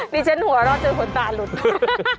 ดิฉันหัวรอจนหนตาหลุด